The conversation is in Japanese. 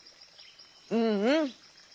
うんうん！